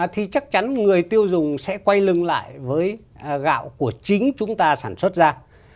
thì chắc chắn người tiêu dùng sẽ quay lưng lại với gạo của chính chúng ta sản xuất ra